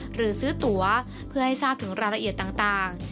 หรือซื้อตัวเพื่อให้ทราบถึงรายละเอียดต่าง